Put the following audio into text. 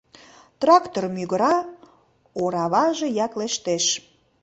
Трактор мӱгыра, ораваже яклештеш.